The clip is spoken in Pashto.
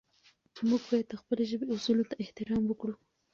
موږ باید د خپلې ژبې اصولو ته احترام وکړو.